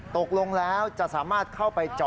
ตกลงแล้วจะสามารถเข้าไปจอด